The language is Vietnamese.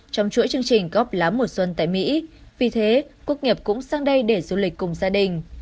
trong chuỗi chương trình góp lá mùa xuân tại mỹ vì thế quốc nghiệp cũng sang đây để du lịch cùng gia đình